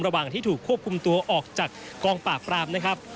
ระหว่างที่ถูกควบคุมตัวออกจากกองปราบปรามนะครับ